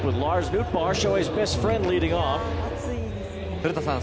古田さん